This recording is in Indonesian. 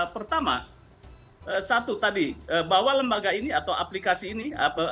pertama satu tadi bahwa lembaga ini atau aplikasi ini